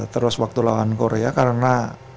terus waktu lawan korea karena